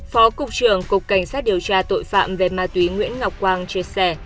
phó cục trưởng cục cảnh sát điều tra tội phạm về ma túy nguyễn ngọc quang chia sẻ